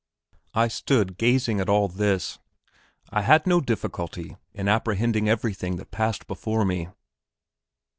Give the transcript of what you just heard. I stood gazing at all this; I had no difficulty in apprehending everything that passed before me.